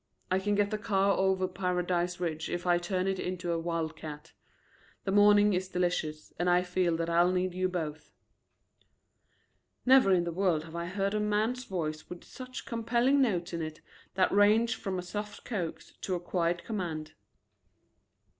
I can get the car over Paradise Ridge if I turn it into a wildcat. The morning is delicious, and I feel that I'll need you both." Never in the world have I heard a man's voice with such compelling notes in it that range from a soft coax to a quiet command.